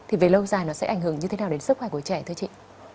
thì về lâu dài nó sẽ ảnh hưởng như thế nào đến sức khỏe của trẻ thơ chị